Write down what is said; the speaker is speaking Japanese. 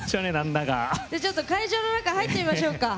ちょっと会場の中入ってみましょうか。